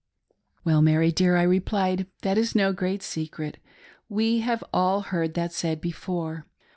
" Well, Mary dear," I replied, " that is no great secret. We have all heard that said before.